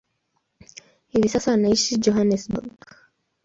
Hivi sasa anaishi Johannesburg.